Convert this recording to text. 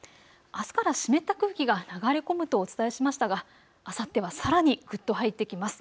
あすから湿った空気が流れ込むとお伝えしましたがあさっては、さらにぐっと入ってきます。